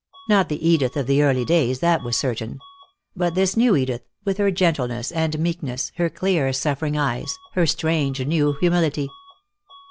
Not the Edith of the early days, that was certain. But this new Edith, with her gentleness and meekness, her clear, suffering eyes, her strange new humility.